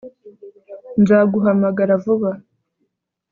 Nzaguhamagara vuba